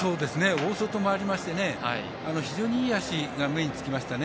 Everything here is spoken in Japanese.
大外もありまして非常にいい脚が目に付きました。